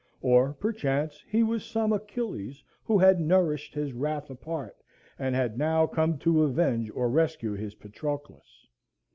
Or perchance he was some Achilles, who had nourished his wrath apart, and had now come to avenge or rescue his Patroclus.